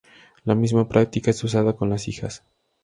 La misma práctica es usada con las hijas.